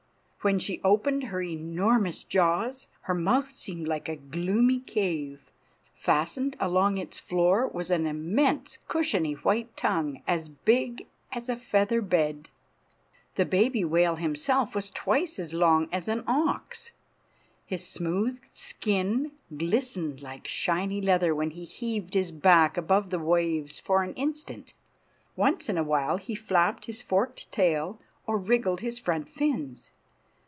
When she opened her enormous jaws her mouth seemed like a gloomy cave. Fastened along its floor was an immense cushiony white tongue as big as a feather bed. The baby whale himself was twice as long as an ox. His smooth skin glistened like shiny leather when he heaved his back above the waves for an instant. Once in a while he flapped his forked tail or wriggled his front fins.